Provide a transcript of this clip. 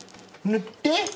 塗って！